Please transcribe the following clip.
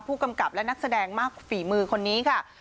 ผู้กำกับและนักแสดงมากฝีมือคนนี้ค่ะ